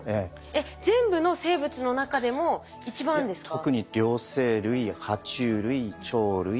えっ全部の生物の中でも一番ですか？